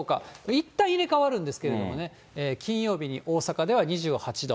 いったん入れ替わるんですけどね、金曜日に大阪では２８度。